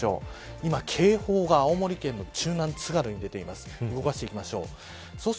今警報が青森県の中南、津軽に出ています動かしていきます。